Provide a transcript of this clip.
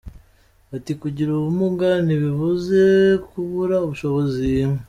Ati “Kugira ubumuga ntibivuze kubura ubushobozi.